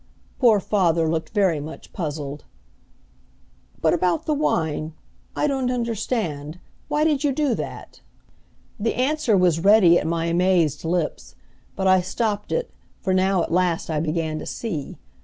Poor father looked very much puzzled. "But about the wine I don't understand. Why did you do that?" The answer was ready at my amazed lips, but I stopped it, for now at last I began to see.